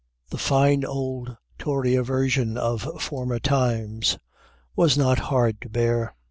The fine old Tory aversion of former times was not hard to bear.